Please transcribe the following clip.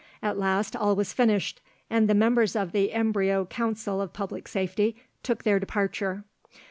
At last all was finished, and the members of the embryo Council of Public Safety took their departure.